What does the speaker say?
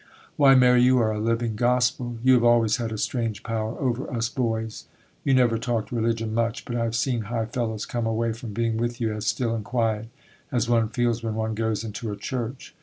Why, Mary, you are a living gospel. You have always had a strange power over us boys. You never talked religion much; but I have seen high fellows come away from being with you as still and quiet as one feels when one goes into a church.